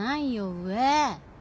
上。